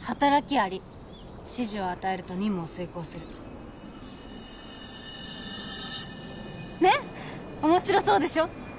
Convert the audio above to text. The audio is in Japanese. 働き蟻指示を与えると任務を遂行するねっ面白そうでしょ？